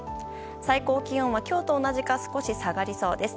最高気温は今日と同じか少し下がりそうです。